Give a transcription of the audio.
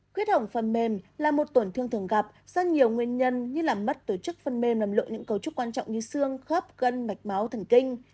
huyết hỏng phần mềm là một tổn thương thường gặp do nhiều nguyên nhân như làm mất tổ chức phần mềm nậm lộ những cấu trúc quan trọng như xương khớp gân mạch máu thần kinh